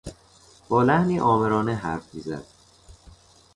با لحنی آمرانه حرف میزد.